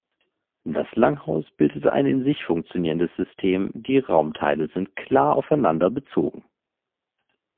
Das Langhaus bildet ein in sich funktionierendes System, die Raumteile sind klar aufeinander bezogen.